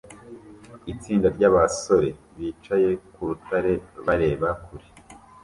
Itsinda ryabasore bicaye ku rutare bareba kure